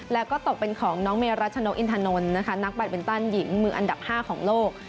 แล้วก็ตกเป็นของน้องเมรัชนกอินทนนท์นะคะนักแบตบินตันหญิงมืออันดับ๕ของโลก